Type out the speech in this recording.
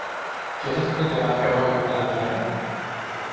¿ quieres que te baje hoy a la playa?